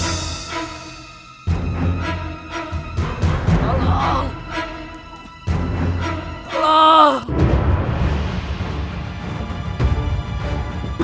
dan kembali ke jalan yang benar